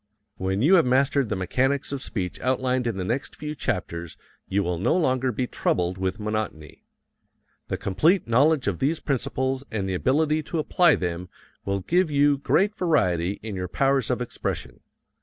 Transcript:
When you have mastered the mechanics of speech outlined in the next few chapters you will no longer be troubled with monotony. The complete knowledge of these principles and the ability to apply them will give you great variety in your powers of expression.